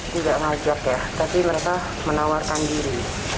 tidak ngajak ya tapi mereka menawarkan diri